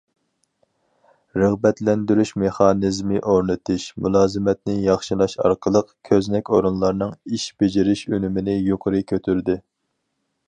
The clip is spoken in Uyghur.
رىغبەتلەندۈرۈش مېخانىزمى ئورنىتىش، مۇلازىمەتنى ياخشىلاش ئارقىلىق، كۆزنەك ئورۇنلارنىڭ ئىش بېجىرىش ئۈنۈمىنى يۇقىرى كۆتۈردى.